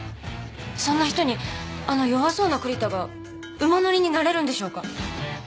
そんな人にあの弱そうな栗田が馬乗りになれるんでしょうか？